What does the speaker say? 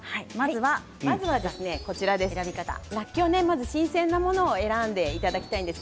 まずはらっきょう新鮮なものを選んでいただきたいです。